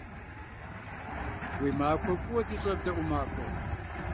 Уи махуэ фӏыуэ, ди щӏэблэ ӏумахуэ!